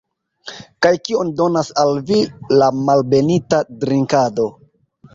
Kaj kion donas al vi la malbenita drinkado?